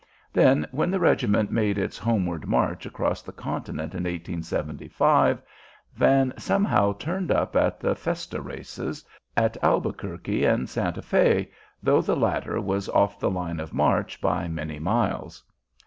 Then, when the regiment made its homeward march across the continent in 1875, Van somehow turned up at the festa races at Albuquerque and Santa Fé, though the latter was off the line of march by many miles.